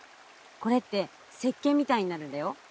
これって石けんみたいになるんだよ。